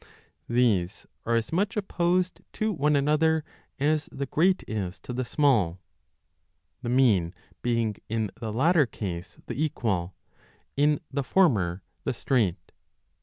These are as much opposed to one another as the great is to the small ; the mean being in the latter case the equal, in the former the straight.